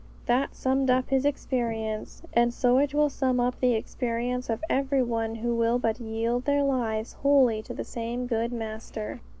That summed up his experience, and so it will sum up the experience of every one who will but yield their lives wholly to the same good Master.